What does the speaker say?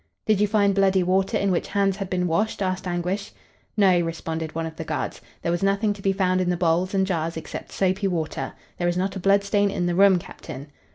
"Did you find bloody water in which hands had been washed?" asked Anguish. "No," responded one of the guards. "There was nothing to be found in the bowls and jars except soapy water. There is not a blood stain in the room, Captain."